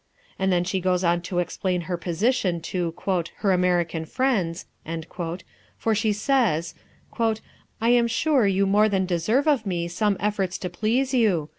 And then she goes on to explain her position to "her American friends," for, she says, "I am sure you more than deserve of me some efforts to please you.